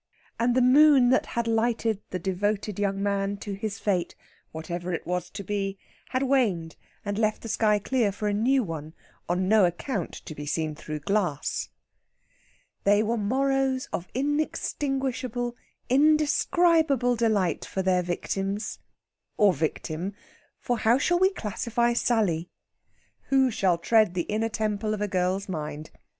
And the moon that had lighted the devoted young man to his fate whatever it was to be had waned and left the sky clear for a new one, on no account to be seen through glass. They were morrows of inextinguishable, indescribable delight for their victims or victim for how shall we classify Sally? Who shall tread the inner temple of a girl's mind?